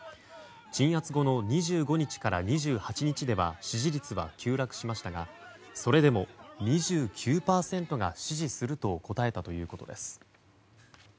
鎮圧後の２５日から２８日では支持率は急落しましたがそれでも２９％が支持すると答えたということです。